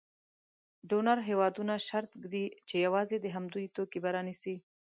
ډونر هېوادونه شرط ږدي چې یوازې د همدوی توکي به رانیسي.